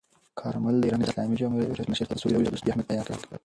کارمل د ایران اسلامي جمهوریت مشر ته د سولې او دوستۍ اهمیت بیان کړ.